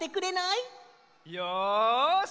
よし！